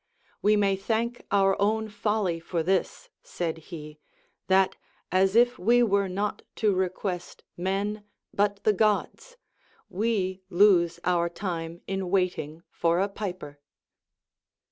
AVe may thank our own folly for this, said he, that, as if we w^ere not to request men but the Gods, we lose our time in waiting for a piper.